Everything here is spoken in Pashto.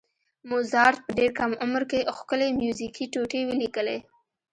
موزارټ په ډېر کم عمر کې ښکلې میوزیکي ټوټې ولیکلې.